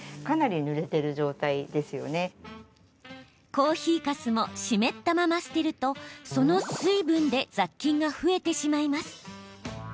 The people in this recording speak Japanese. コーヒーかすも湿ったまま捨てると、その水分で雑菌が増えてしまいます。